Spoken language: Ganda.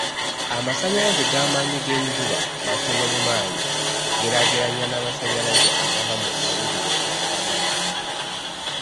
Amasannyalaze g'amaanyi g'enjuba matono mu maanyi bwogeraagerannya n'amasannyalaze agava mu mabibiro g'amazzi.